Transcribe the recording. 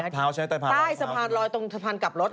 รัดพร้าวใช่ไหมรัดพร้าวใต้สะพานรอยตรงสะพานกลับรถ